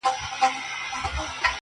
دا غرونه ، غرونه دي ولاړ وي داسي.